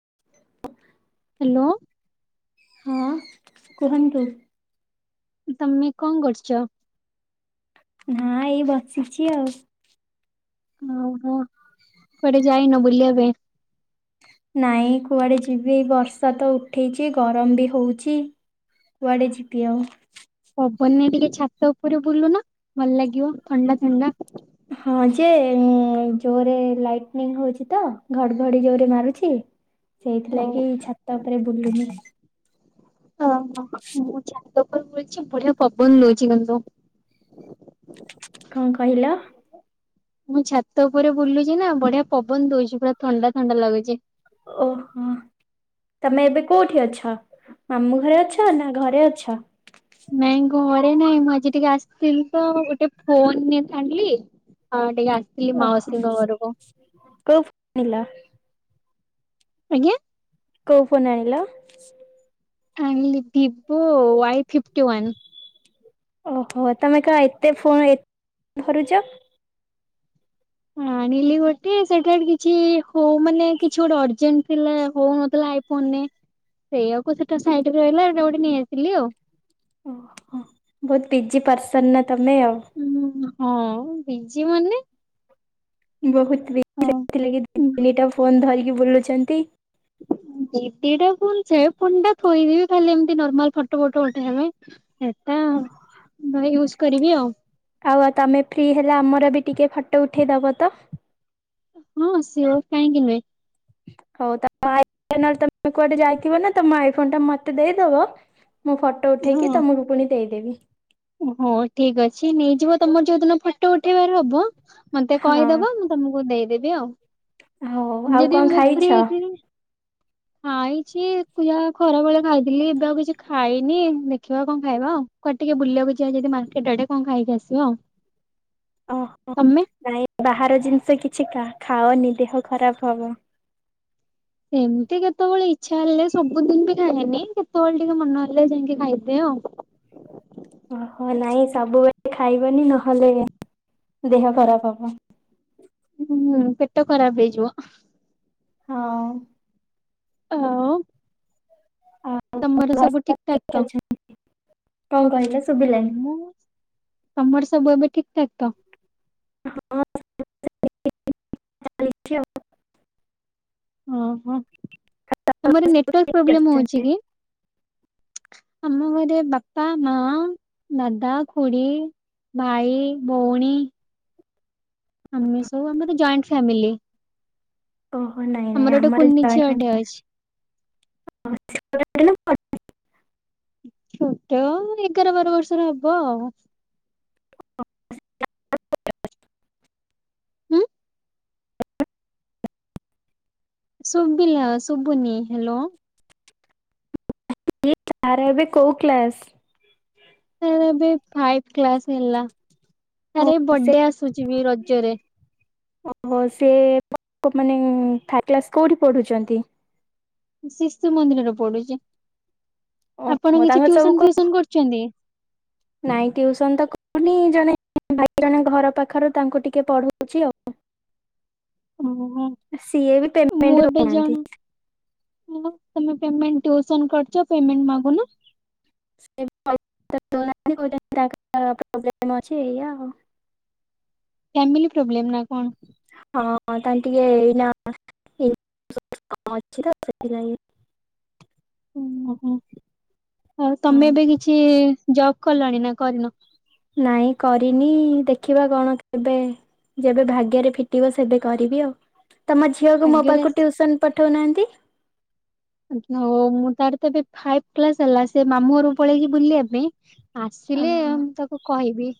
[inaudible] Hello. ହଁ କୁହନ୍ତୁ। ତମେ କଣ କରୁଚ? ନା ଏଇ ବସିଚି ଆଉ। ଓ ହୋ କୁଆଡେ ଯାଇନ ବୁଲିବା ପାଇଁ? ନାଇଁ କୁଆଡେ ଯିବି? ବର୍ଷା ତ ଉଠେଇଛି, ଗରମ ବି ହଉଚି, କୁଆଡେ ଯିବି ଆଉ? ପବନରେ ଟିକେ ଛାତ ଉପରେ ବୁଲୁନ, ଭଲ ଲାଗ ହଁ ଯେ ମୁଁ ଜୋରେ ଲାଇଟୀଙ୍ଗି ହୋଉଚି ତ, ଘଡଘଡି ଜୋରେ ମାରୁଚି। ଓ ସେଇଥିଲାଗି ଛାତ ଉପେରେ ବୁଲୁନି। ହଅ ହ ମୁଁ ଛାତଉପରେ ବୁଲଚି। ବଡ଼ିଆ ପବନ ଦଉଚି ମାନେ ସବୁ କଣ କହିଲ? ମୁଁ ଛାତ ଉପରେ ବୁଲୁଚି ନା ବଢିଆ ପବନ ଦଉଛି ପୁରା ଥଣ୍ଡା ଥଣ୍ଡା ଲାଗୁଚି। ଓହୋ। ତମେ ଏବେ କଉଠି ଅଛ? ମାମୁଁ ଘରେ ଅଛ ନା ଘରେ ଅଛ? ନାଇଁ ଘରେ ନାଇଁ ମୁଁ ଆଜି ଟିକେ ଆସିଥିଲି ତ ଗୋଟେ ଫୋନଟେ ଆଣିଲି। ଟିକେ ଆସିଥିଲି ଓହୋ ମାଉସୀଙ୍କ ଘରକୁ କଉ ଫନ ଆଣିଲା? ଆଜ୍ଞା? କଉ ଫୋନ ଆଣିଲ? ଆଣିଲି ଭିବୋ ୱାଇ ଫିଫ୍ଟିୱାନ୍। ଓହୋ ତମେ କଣ ଏତେ ଫୋନ ଏତେ ଧରୁଛ। ଆଣିଲି ଗୋଟେ ସେଟା କିଛି ହଉ ମାନେ କିଛି ଗୋଟେ ଅର୍ଜେଣ୍ଟ ଥିଲା ହଉ ନଥିଲା ଏଇ ଫୋନରେ ସେଇଆକୁ ସେଟାଇ ରହିଲା ଏଟା ଗୋଟେ ନେଇ ଆସିଲି ଆଉ। ଓହୋ ବହୁତ ବିଜି ପର୍ସନ ନା ତମେ ଆଉ। ହଁ ବିଜି ମାନେ ବହୁତ ବିଥିଲା କି ତିନିଟା ଫୋନ ଧରି। ବୁଲୁଛନ୍ତି ଦିଦିଟା ପୁଣିଛ ପୁଣି ଟା ଥୋଇଦି ଖାଲି ଏମତି ନର୍ମାଲ ଫଟୋ ଫଟ ଉଠେଇବାପାଇଁ ସେଟା ଆଉ ନୟ କରିବି ଆଉ ଆଉ ଆଉ ତମେ ଫ୍ରି ହେଲେ ଆମର ବି ଟିକେ ଫଟୋ ଉଠେଇଦବ ତ ହଁ ସଅ କାହିଁକି ନୁହେଁ। ହଉ ତା ଆଥ ତୁ କୁଆଡେ ଯାଇଥିବ ନା ତମ ଫ ଟା ମତେ ଦେଇଦବ। ମୁଁ ଫଟୋ ଉଠେଇକି ତମକୁ ପୁଣି ଦେଇଦେବି। ହୋ ଠିକ ଅଛି ନେଇଯିବ ତମର ଯୋଉ ଦିନ ଫଟୋ ଉଠେଇବାର ହବ। ମତେ ହଁ କହିଦବ ମୁଁ ତମକୁ ଦେଇଦେବି। ଆଉ ହଉ ଆଉ କଣ ଖାଇଛ? ଖାଇଛିୁ ଯାହା ଖରା ବେଳେ ଖାଇଥିଲି ଏବେ ଆଉ କିଛି ଖାଇନି ଦେଖିବା କଣ ଖାଇବା ଆଉ କୁଆ ଟିକେ ବୁଲିବାକୁ ଯିବା ଯି ମାର୍କେଟ ଆଡେ କଣ ଖାଇକି ଆସିବା ଆଉ। ଓହୋ ତମେ? ନାଇଁ ବାହାର ଜିନିଷ କିଛି କା ଖାଅନି ଦେହ ଖରାପ ହବ। ସେମିତି କେତେବେଳେ ଇଚ୍ଛା ହେଲେ ସବୁଦିନ ବି ଖାଏନି କେତେବେଳେ ଟିକେ ମନ ହେଲେ ଯାଇକି ଖାଇଦେ ଆଉ ଓହୋ ନାଇଁ ସବୁବେଳେ ଖାଇବନି ନହେଲେ ଦେହ ଖରାପ ହବ। ହଁ ପେଟ ଖରାପ ହେଇଯିବ। ହଁ। ହ। ଆଉ ତମର ଘରେ ସବୁ ଠିକଠାକ୍ ଠିକ୍ ତ ଅଛନ୍ତି? କଣ କହିଲ? ଆମ ତମର ସବୁ ବି ଠିକ ଠାକ ତ ହଁ। ଓହୋ ତମର ଘରେ ସବୁ ନେଟାର୍ ଠିକ୍ ପ୍ରୋବଲେ ହଉଛି ଅଛନ୍ତି। କି? ଆମ ଘରେ ବାପା ମା ଦାଦା ଖୁଡି ଭାଇ ଭଉଣୀ। ଆମେ ସବୁ ଆମର ଜଏଣ୍ଟ ଫ୍ୟାମିଲି। ଓହୋ ନାଇଁ ନାଇଁ ଗୋଟେ ଆମର କୁନି ଯହା ଝିଅଟେ ଅଛି। [unintelligible] ଛୋଟ ଏଗାର ବାର ବର୍ଷର ହବ। [inaudible] ହୁଁ। ସୁପିଲ ସୁପନି ହ୍ୟାଲୋ। ଚାରବେ କ କ୍ଲାସ୍? ଆ ବି ଫାଇବ କ୍ଲାସ ହେଲା। ଆରେ ଓହୋ ସେ ବର୍ଡେ ଆସୁଛି ବି ରଜରେ ଓହୋ ସେ ମାନ୍ କୋଉଠି ପଢଛନ୍ତି। ଶିଶୁ ମନ୍ଦିରରେ ପଡୁଛି। ଓହୋ ଆପଣ କିଛି ତାଙ୍କର ସବୁ ଟ୍ୟୁସନ କୋଉ ଫ୍ୟସନ କରୁଛନ୍ତି। ନାଇଁ ଟ୍ୟଉସନ ତ କହୁନି ଜଣେ ଭାଇ ଜଣେ ଘର ପାଖରୁ ତାଙ୍କୁ ଟିକେ ପଢଉଛି ଆଉ ଓହୋ ସିଏ ବି ମୁଁ ପେମେଣ୍ଟ ଏବେ ଦଉନାହାନ୍ତି। ଜଣ ତମେଣ୍ ଟ୍ୟୁସନ୍ କଛ ପେମେଣ୍ଟ ମାଗୁନ? [unintelligible] ଫାମିଲ ପ୍ରୋବ୍ଲେ ନା କଣ? ହଁ ତାହେଲେ ଟିକେ ଏଇନା ଅଛି ତ ସେଁ ଉଁ ହୁଁ। ଆଉ ହଁ ତମେ ଏବେ କିଛି ଜବ୍ କଲାଣି ନା କରିନ। ନାଇଁ କରିନି ଦେଖିବା କଣ କେବେ ଯେବେ ଭାଗ୍ୟରେ ଫିଟିବ ସେବେ କରିବି ଆଉ ତମ ଝିଅକୁ ମୋ ଭାଗ୍ୟରେ ପାଖକୁ ଟ୍ୟୁସନ ପଠଉନାହାନ୍ତି। ହଉ ମୁଁ ତାର ତ ଏବେ ଫାଇଭ କ୍ଲାସ ହେଲା ସେ ମାମୁ ଘର ପଳେଇକି ବୁଲି ବା ପାଇଁ। ଆସିଲେ ଓହୋ ମୁଁ ତାକୁ କହିବି?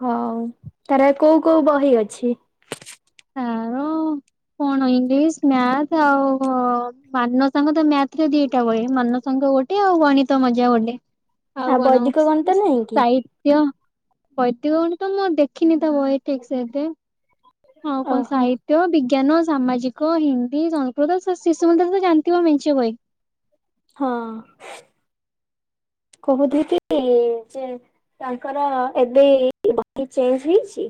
ହଉ ତାର କୋଉ କୋଉ ବହି ଅଛି। ତାର କଣ ଇଂଲିଶ ମଥ ଆଉ ମାନ ସାଙ୍ଗ ତ ମଥରେ ଦିଟା ବେ ମାନ ସାଙ୍ଗ ଗୋଟେ ଆଉ ଗଣିତ ମଜା ଗୋଟେ। ଆଉ କଣ ବୈଦିକ ଗଣିତ ନାହିଁ କି? ସାହିତ୍ୟ ବୈତିକ ଗଣ ତ ମୁଁ ଦେଖିନି ତ ବହି ଠିକ ସେତେ ହଉ କଣ ଓହୋ ସାହିତ୍ୟ ବି ବିଜ୍ଞାନ ସାମାଜିକ ହିନ୍ଦୀ ସଂସ୍କୃତ ଶିଶୁ ମନ୍ଦରେ ତ ଜାଣିଥିବ ମେଞ୍ଚେ ବହି। ହଁ କହୁଥିଲ କି ତାଙ୍କର ଏବେ ଚେଞ୍ଜ ହେଇଛି।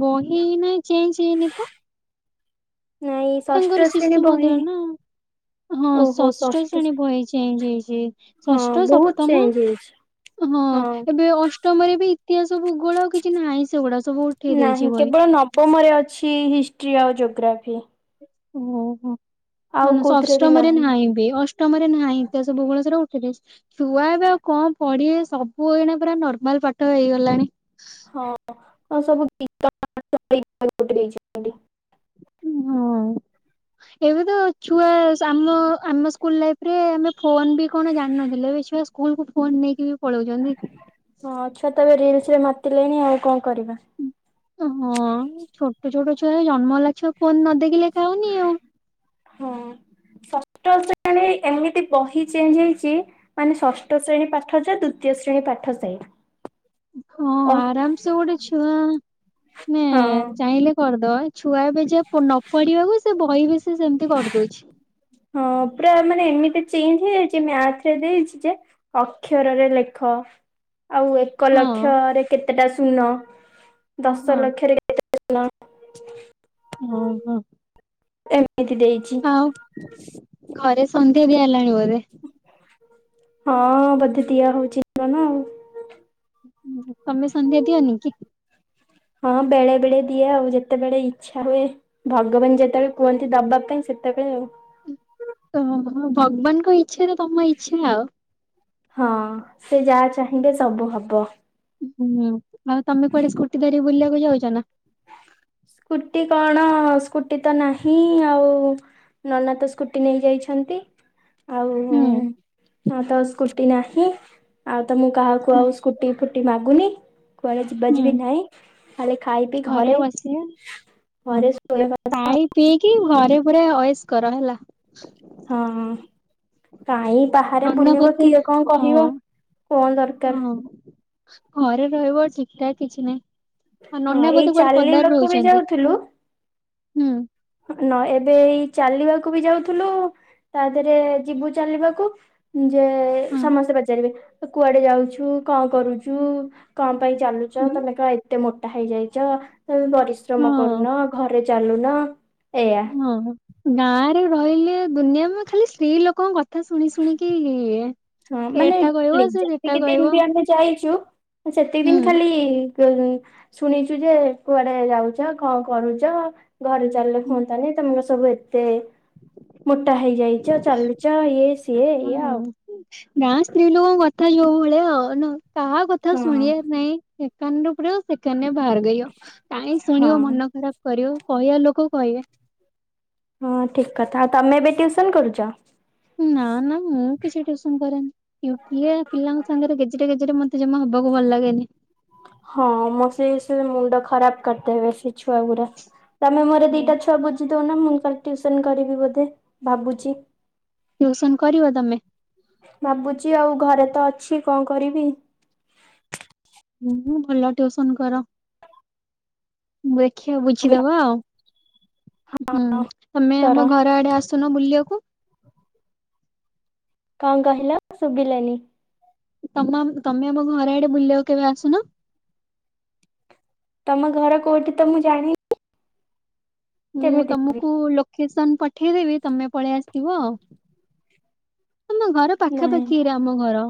ବହି ନାଇଁ ସେଞ ସେନି ତ। ନାଇଁ ଷଷ୍ଠ ତାଙ୍କର ଶ୍ରେଣୀ ଶିଶୁ ବହି ମନ୍ଦିର ନା ହଁ ଷଷ୍ଠ ଶ୍ରେଣୀ ବହି ଯାଇ ଛି। ହଁ ଷଷ୍ଠ ବହୁତ ସପ୍ତମ ଚେଞ୍ଜ ହେଇଛି। ହଁ ଏବେ ଅଷ୍ଟମରେ ବି? ଏଆ ସବୁ ଗୋଳ ଆଉ କିଛି ନାହିଁ ସେଗୋଡ ନାହିଁ କେବଳ ନବମରେ ଅଛି ହିଷ୍ଟ୍ରି ଆଉ ଯୋଗ। ଜ୍ୟୋଗ୍ରାଫି। ଓହୋ। ହ କୋଉଥିରେ ବି ଅଷ୍ଟମରେ ନାହିଁ ନାଁବେ ଅଷ୍ଟ ତମର ନାହିଁତ ସବୁ ବେଳେ ସେରା ଉଠିଦେଇଛି ।ଛୁଆ ଏବେ ଆଉ କଣ ପଢିବେ ସବୁ ଏଇ ପୁରା ନର୍ମାଲ ପାଠ ହେଇଗଲାଣି । ହଁ । ହଁ ସବୁ [unintelligible] ଦେଇଛି ଏମତି ହଁ ଏବେ ତ ଛୁଆ ଆମ ଆମ ସ୍କୁଲ ଲାଇଫ ରେ ଆ ଫୋନ ବି କଣ ଜାଣିିନଥିଲେ ଏବେ ଛୁଆ ସ୍କୁ ସ୍କୁଲକୁୁ ଫୋନ ନେଇକି ବି ପଳଉଚନ୍ତି । ହଁଛୁଆ ତ ଏବେ ରିଲସ ରେ ମାତି ଲେଣି ଆଉ କଣ । ହୁଁ ହଁ ଛୋଟ ଛୋଟ ଛୁଆ ଗୁରା ଜନ୍ମ ହେଲା ଛୁଆ ଫୋନ ନ ଦେଖିଲେ । ହଁ ଷଷ୍ଠ ଶ୍ରେଣୀ ଏମିତି ବହି ଚେଞ୍ଜ ହେଇଛି ମାନେ ଷଷ୍ଠ ଶ୍ରେଣୀ ପାଠ ଯା ଦ୍ଵିତୀୟ ଶ୍ରେଣୀ ପାଠ ସେଇଆ। ହଁ ଓ ଆରାମ ସେ ଗୋଟେ ଛୁଆ ନେ ହଁ ଚାହିଁଲେ କରିଦ ବ ଛୁଆ ଏବେ ଯୋଉ ନ ପଢିବାକୁ ସେ ବହି ବି ସେ ସେମିତି କରିଦଉଛି । ହଁ ପୁରା ମାନେ ଏମିତି ଚେଞ୍ଜ ହେଇଯାଇଛି ମ୍ୟାଥରେ ଦେଇଛି ଯେ ଅକ୍ଷରରେ ଲେଖ । ଆଉ ଏକ ହଁ ଲକ୍ଷରେ କେତେ କେତେଟା ଶୂନ । ଦଶ ହଁ ଲକ୍ଷରେ କେ ଶୁନ । ଓ ହୋ । ଏମ ଏମତି ଦେଇଛି । ସଧ୍ୟ ଦିଆ ହେଲାଣି ବୋଧେ । ହଁ ବୋଧେ ଦିଆ ହଉଛି ନା କଣ ଆଉ । ତମେ ସନ୍ଧ୍ୟା ଦିଅନି କି? ହଁ ବେଳେ ବେଳେ ଦିଏ ଆଉ ଯେତେବେଳେ ଇଛା ହୁଏ ଭଗବାନ ଯେତେବେଳେ କୁହନ୍ତି ଦବା ପାଇଁ ସେତେବେଳେ ଆଉ। ଓହୋ ଭଗବାନଙ୍କ ଇଚ୍ଛାରେ ତମ ଇଚ୍ଛା ଆଉ । ହଁ ସେ ଯାହା ଚାହିଁଲେ ସବୁ ହବ । ହୁଁ ଆଉ ତମେ କୁଆଡେ ସ୍କୁଟି ଧରିକି ବୁଲିବାକୁ ଯାଉଚ ନା । ସ୍କୁଟି କଣ ସ୍କୁଟି ତ ନାହିଁ ଆଉ ନନା ତ ସ୍କୁଟି ନେଇ ଯାଇଛନ୍ତି । ଆଉ ହୁଁ ହ ତ ସ୍କୁଟି ନାହିଁ । ଆଉ ତ ମୁଁ କାହାକୁ ଆଉ ସ୍କୁଟି ଫୁଟି ମାଗୁନି କୁଆଡେ ଯିବା ହୁଁ ଯିବି ନାହିଁ ଖାଲି ଖାଇ ପି ଘରେ ବସିବା ଶୋଇବା ଖାଇ ପିଇକି । ଘରେ ପୁରା ଅଏସ କର ହେଲା । ହଁ କାହିଁ । ବାହାରେ ନନା ବୁଲିବ ବୋଧେ କିଏ କଣ ହଁ କହିବ କଣ ଦରକାର । ହଁ ଘରେ ରହିବ ଠିକ ଠାକ କିଛି ନାହିଁ । ହଁ ଏଇ ଚାଲିବାକୁ ବି ଯାଉଥିଲୁ । ହୁଁ । ନ ଏବେଇ ଚାଲିବାକୁ ବି ଯାଉଥିଲୁ ତା ଦେହରେ ଯିବୁ ଚାଲିବାକୁ ଯେ ହଁ ସମସ୍ତେ ପଚାରିବେ କୁଆଡେ ଯାଉଛି? ତୁ କଣ କରୁଛୁ? କମ୍ ପାଇଁ ଚାଲୁଛ ତମେ କ ଏତେ ମୋଟା ହେଇଯାଇଛ। ପରିଶ୍ରମ ହଁ କରୁନ ଘରେ। ଚାଲୁ ନା ଏଆ ହଁ ଗାଁ ରେ ରହିଲେ ଦୁନିଆ ମୁ ଖାଲି ସ୍ତ୍ରୀ ଲୋକଙ୍କ କଥା। କଥା ଶୁଣି ଶୁଣିକି। ହଁ ମାନେ ଏଟା କହିବ ସେ ସେଟା ଯେତିକି ଦିନ କହିବ ବି ଆମେ ଯାଇ ଛୁ ସେତିକି ହୁଁ ଦିନ ଖାଲି ଶୁଣିଛୁ ଯେ କୁଆଡେ ଯାଉଛ କଣ କରୁଛ ଘରେ ଚାଲିଲେ ହୁଅନ୍ତାନି ତମର ସବୁ ଏତେ ମୋଟା ହେଇଯାଇଛ ଚାଲୁଚ ଇଏ ସିଏ ଇଏ ଆଉ ହଁ ଗାଁ ସ୍ତ୍ରୀ ଲୋକଙ୍କ କଥା ଯଉ ଭଳିଆ ଆ କାହା କଥା ହଁ ଶୁଣିବାର ନାଇଁ। ସୋନ ପଡ ଆଉ ସୋନ ବାହାରଗବ ଟହିଁ ଶୁଣିବ ହଁ ମନ ଖରାପ କରିବ। କହିବାେ ଆଉ ଲୋକକୁ କହିବେ ହଁ ଠିକ କଥା ଆଉ ତମେ ବି ଟ୍ୟୁଉସନ କରୁଛ। ନା ନା ମୁଁ କିଛି ଟ୍ୟୁସନ କରେନି। ଏ ପିଲାଙ୍କ ସାଙ୍ଗରେ ଗେଜେରେ ଗେଜରେ ମ ତ ଜମା ହବାକୁ ଭଲ ଲାଗେନି। ହଁ ମ ସେ ସେ ମୁଣ୍ଡ। ଖରାପ କରିଦେବେ ସିଏ। ଛୁଆ ଗୁରା ତମେ ମୋର ଦିଟା ଛୁଆ ବୁଝ ନା ମୁଁଙ୍କର ଟ୍ୟୁସନ କରିବି ବୋଧେ ଭାବୁଛି। ଟ୍ୟୁସନ କରିବ ତମେ ଭାବୁଛି ଆଉ ଘରେ ତ ଅଛି କଣ କରିବି? ମୁଁ ଭଲ ଟିଉସନ କର ମୁ ଦେଖିବା ବୁଝିଦବା ଆଉ। ହୁଁ ତମେ କର ଆମ ଘର ଆଡେ ଆସୁନ ବୁଲିବା କଣ କହିଲ ଶୁଭିଲାନି? ତମେ ଆମ ଘରେ ଆଡେ ବୁଲି କେବେ ଆସୁନ। ତମ ଘର କୋଉଠି ତ ମୁଁ ଜାଣିଛିି। ମୁଁ ତମକୁ ଲୋକେସନ ପଠେଇଦେବି ତମେ ପଳେଇ ଆସିଥିବ ଅ ତମ ଘର ନାଇଁ ପାଖାପାଖିରେ ଆମ ଘର।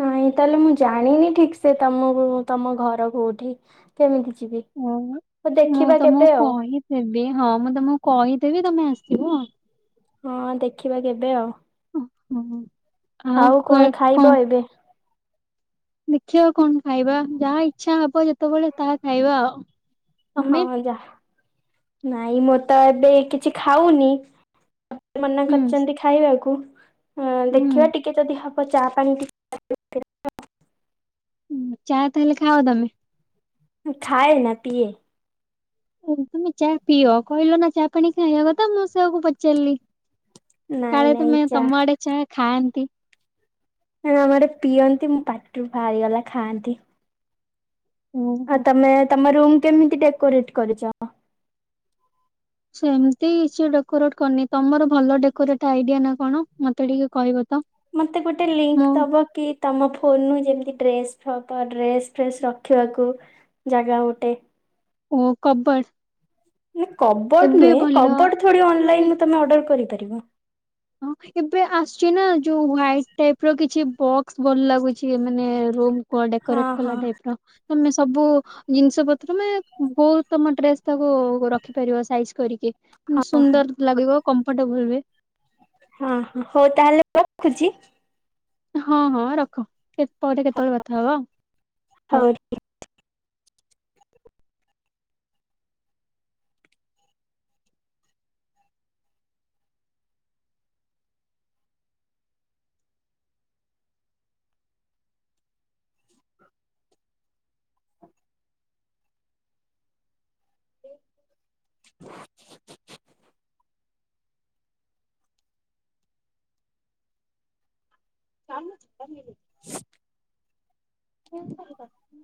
ନାଇଁ ତାହେଲେ ମୁଁ ଜାଣିନି ଠିକ ସେ ତମକୁ ତମ ଘର କୋଉଠି କେମିତି ଯି ହଁ ମୁଁ ତମକୁ ଆଉ କହିଦେବି ହଁ ମୁଁ ତମକୁ କହିଦେବି ତମେ ଆସିବ ହଁ ଦେଖିବା କେବେ ଆଉ। ଆ ହୁଁ। ଆଉ କଣ ଖାଇବ ଏବେ ଦେଖିବା କଣ ଖାଇବା ଯାହା ଇଚ୍ଛା ହବ ଯେ ଯେତେବେଳେ ତାହା ଖାଇବା ଆଉ ହଁ ତମେ ଯା ନାଇଁ ମୁଁ ତ ଏବେ କିଛି ଖାଉନି? ମନା ହୁଁ କରିଛନ୍ତି ଖାଇବାକୁ ହୁ ହଁ ଦେଖିବା ହୁଁ ଟିକେ ଯଦି ହ ଚା ପାଣି ଟିକେ [inaudible] ହୁଁ ଚା ତା ହେଲେ ଖାଅ ତମେ? ଖାଏ ନା ପିଏ। ତମେ ଚା ପିଅ କହିଲ ନା ଚା ପାଣି ଖାଇବା କଥା ମୁଁ ସେଆକୁ ପଚାରିଲି। ନାଇଁ ତାହେଲେ ନାଇଁ ତମେ ଚା ତମ ଆଡେ ଚା ଖାଆନ୍ତି। ଆମ ଆଡ଼େ ପିଅନ୍ତି ମୋ ପାଟିରୁ ବାହାରିଗଲା ଖାଆନ୍ତି। ଆ ଓହୋ ତମେ ତା ମୋ ରୁମ୍ କେମିତି ଡେକୋରେଟ କରିଛ? ସେମିତି କିଛି ଡେକୋରେଟ କରିନି ତମର ଭଲ ଡେକୋରେଟ ଆଇଡିଆ ନା କଣ ମତେ ଟିକେ କହିବ ତ ମତେ ଗୋଟେ ଲିଙ୍କ ମୁଁ ଦବ କି ତମ ଫୋନରୁ ଯେମତି ଡ୍ରେସ ତ ଡ୍ରେସ ଫ୍ରେସ ରଖିବାକୁ ଜାଗା ଗୋଟେ ଓ କବଡ଼। କବର୍ଡ ନୁହେଁ କବର୍ଡ ଥୋଡ଼ି ମାନେ ଅନଲାଇନରୁ ତମେ ଅର୍ଡର କରିପାର। [unintelligible] ହଁ ଏବେ ଆସୁଛି ନା ଯୋଉ ହ୍ୱାଇଟ ଟାଇପ ର କିଛି ବକ୍ସ ଭଲ ଲାଗୁଛି ମାନେ ରୁ ହଁ ଡେକୋରେଟ୍ କଲା ଟାଇପ ର। ତମେ ସବୁ ଜିନିଷ ପତ୍ର ମାନେ ବହୁତ ତମ ଡ୍ରେସ୍ ତାକୁ ରଖିପାରିବ ସାଇଜ କରିକି ମାନେ ହଁ ସୁନ୍ଦର ଲାଗିବ। କମ୍ଫଟେବୁଲ ହୁଏ। ହଁ ହ ହଉ ତାହେଲେ ରଖୁଛି। ହଁ ହଁ ରଖ କେ ପରେ କେତେବେଳେ କଥା ହବ ଆଉ ହଉ [inaudible] ହ ଚାଲୁଛି [unintelligible] ପୁଣି ଥରେ କାଟି